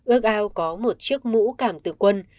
ước ao có một chiếc mũ cảm tử quân